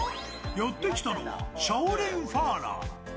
やってきたのはシャオリンファーラン。